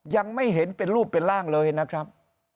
ยังไม่เห็นเป็นรูปเป็นร่างเลยนะครับ